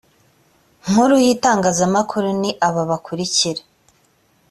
nkuru y itangazamakuru ni aba bakurikira